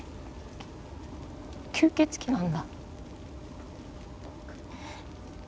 きゅ吸血鬼なんだ。